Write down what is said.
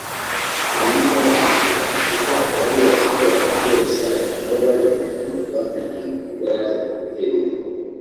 Ibi ntibyaje kurangirira aho kuko abari baziko batunguye Sarah nabo baje gutungurwa na Jimmy ubwo yazaga gutera ivi